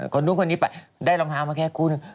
คนนู้นคนนี้ไปได้รองเท้ามาแค่คู่นึง